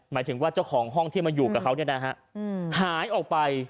หมายถึงว่าเจ้าของห้องที่มาอยู่กับเขาเนี่ยนะฮะหายออกไป